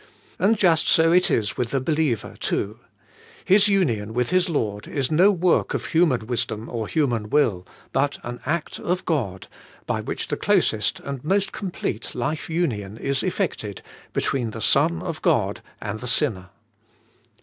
And just so it is with the believer too. His union with his Lord is no work of human wisdom or human will, but an act of God, by which the closest and most complete life union is effected between the Son of God and the sinner.